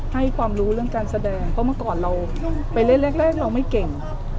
ให้ความรู้เรื่องการแสดงเพราะเมื่อก่อนเราไปเล่นแรกเราไม่เก่ง